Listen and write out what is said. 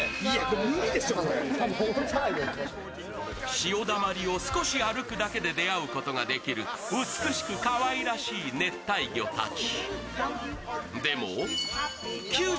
潮だまりを少し歩くだけで出会うことができる美しくかわいらしい熱帯魚たち。